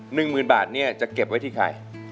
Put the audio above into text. หนึ่งหมื่นบาทเนี่ยจะเก็บไว้ที่ใคร